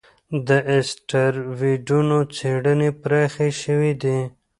د اسټروېډونو څېړنې پراخې شوې دي.